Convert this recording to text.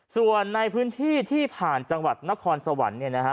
ส่วนในพื้นที่ที่ผ่านจังหวัดนครสวรรค์เนี่ยนะฮะ